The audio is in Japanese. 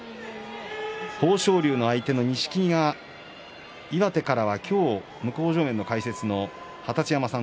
豊昇龍の相手の錦木が岩手からは今日向正面の解説の二十山さん